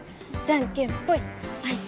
じゃんけんぽい！